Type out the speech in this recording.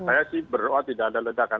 saya sih berdoa tidak ada ledakan